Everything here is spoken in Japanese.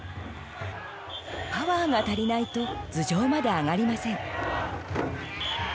パワーが足りないと頭上まで上がりません。